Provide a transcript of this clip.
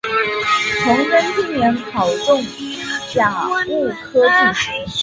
崇祯七年考中甲戌科进士。